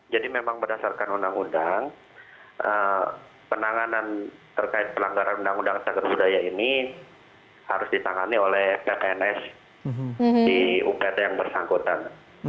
jadi memang berdasarkan undang undang penanganan terkait pelanggaran undang undang segera budaya ini harus ditangani oleh ppns di upt yang bersangkutan